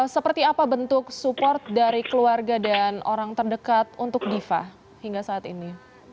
seperti apa bentuk support dari keluarga dan orang terdekat untuk diva hingga saat ini